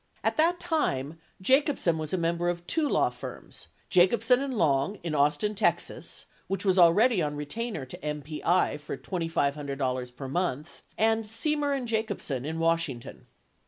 At that time, Jacobsen was a member of two law firms, Jacobsen and Long in Austin, Tex. (which was already on retainer to MPI for $2,500 per month), and Semer and Jacobsen 20 in Washington.